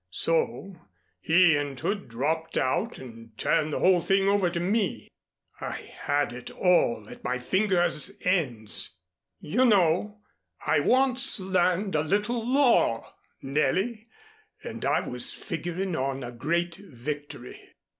So he and Hood dropped out and turned the whole thing over to me. I had it all at my fingers' ends. You know, I once learned a little law, Nellie, and I was figuring on a great victory."